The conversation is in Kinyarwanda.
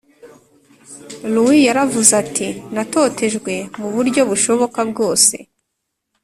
Luis yaravuze ati natotejwe mu buryo bushoboka bwose